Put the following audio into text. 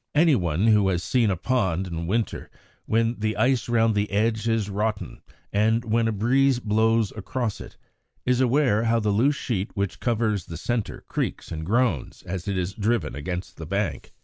Any one who has seen a pond in winter, when the ice round the edge is rotten and when a breeze blows across it, is aware how the loose sheet which covers the centre creaks and groans as it is driven against the bank.